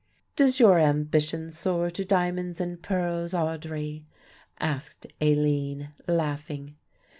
"Does your ambition soar to diamonds and pearls, Audry?" asked Aline, laughing.